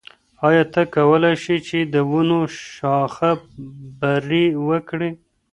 آیا ته کولای شې چې د ونو شاخه بري وکړې؟